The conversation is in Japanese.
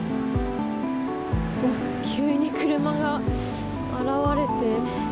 急に車が現れて。